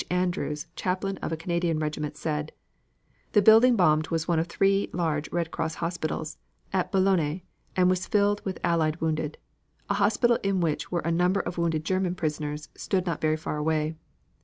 Andrews, chaplain of a Canadian regiment, said: "The building bombed was one of three large Red Cross hospitals at Boulenes and was filled with Allied wounded. A hospital in which were a number of wounded German prisoners stood not very far away.